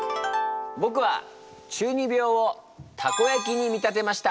僕は中二病をたこやきに見立てました。